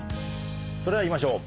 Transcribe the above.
それではいきましょう。